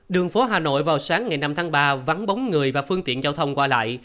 đường phố hà nội vào sáng ngày năm tháng ba vắng bóng người và phương tiện giao thông qua lại